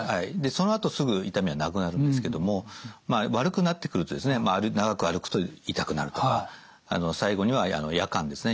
そのあとすぐ痛みはなくなるんですけども悪くなってくるとですね長く歩くと痛くなるとか最後には夜間ですね